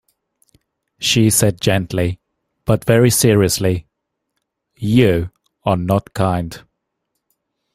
She said gently, but very seriously, "you are not kind."